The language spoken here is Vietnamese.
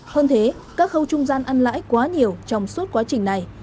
hơn thế các khâu trung gian ăn lãi quá nhiều trong suốt quá trình này